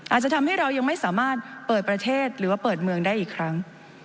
อาจจะทำให้เรายังไม่สามารถเปิดประเทศหรือว่าเปิดเมืองได้อีกครั้ง